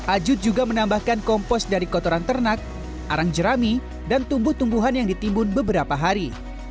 ajut juga menambahkan kompos dari kotoran ternak arang jerami dan tumbuh tumbuhan yang ditimbun beberapa hari